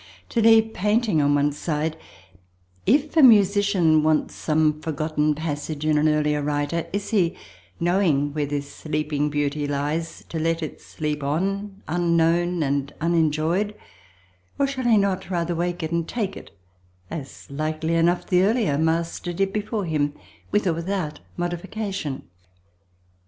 To leave painting on one side, if a musician wants some forgotten passage in an earlier writer, is he, knowing where this sleeping beauty lies, to let it sleep on unknown and unenjoyed, or shall he not rather wake it and take it—as likely enough the earlier master did before him—with, or without modification?